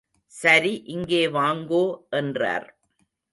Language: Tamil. சரி இங்கே வாங்கோ, என்றார்.